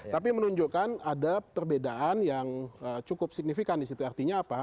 tapi menunjukkan ada perbedaan yang cukup signifikan di situ artinya apa